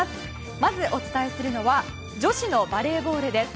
まず、お伝えするのは女子のバレーボールです。